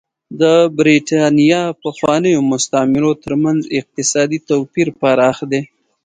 د برېټانیا پخوانیو مستعمرو ترمنځ اقتصادي توپیر پراخ دی.